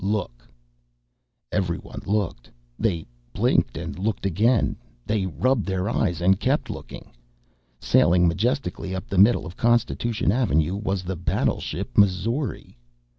"LOOK!" Everyone looked. They blinked and looked again. They rubbed their eyes and kept looking. Sailing majestically up the middle of Constitution Avenue was the battleship Missouri.